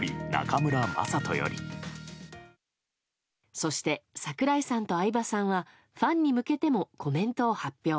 そして、櫻井さんと相葉さんはファンに向けてもコメントを発表。